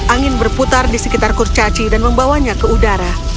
angin berputar di sekitar kurcaci dan membawanya ke udara